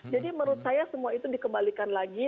jadi menurut saya semua itu dikembalikan lagi